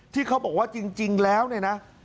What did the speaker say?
ที่เขาบอกว่าจริงแล้วนะ